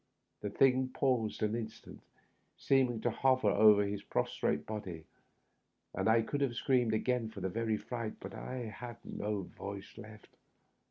The thing paused an instant, seeming to hover over his prostrate body, and I could have screamed again for very fright, but I had no voice left.